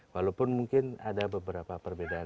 walaupun mungkin ada beberapa perbedaan